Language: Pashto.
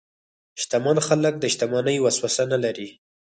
شتمن خلک د شتمنۍ وسوسه نه لري.